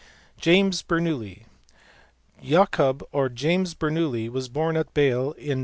James Bernoulli*. Jacob or James Bernoulli was born at Bale on Dec.